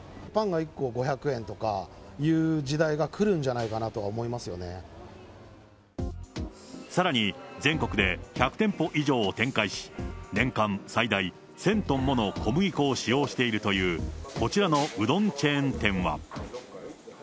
パンが１個５００円とかいう時代が来るんじゃないかなとは思いまさらに、全国で１００店舗以上を展開し、年間最大１０００トンもの小麦粉を使用しているという、こちらのうどんチェーン店は。